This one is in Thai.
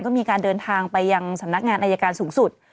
ก็มีการเดินทางไปยังสำนักงานอายการสูงสุด